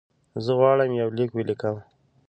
زه غواړم یو لیک ولیکم.